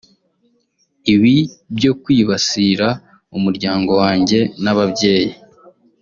Ibi byo kwibasira umuryango wanjye n’ababyeyi